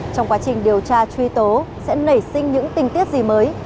trong quá trình điều tra truy tố sẽ nảy sinh những tình tiết gì mới